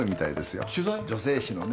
女性誌のね。